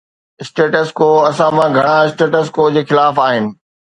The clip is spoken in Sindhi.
Status Quo اسان مان گھڻا اسٽيٽس ڪو جي خلاف آھن.